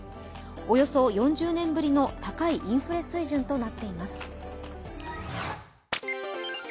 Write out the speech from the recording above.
およそ４０年ぶりの高いインフレ水準となっています。